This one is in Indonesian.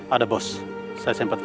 ada bos saya sempat